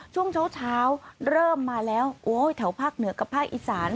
ช่วงเช้าเริ่มมาแล้วโอ้ยแถวภาคเหนือกับภาคอีสาน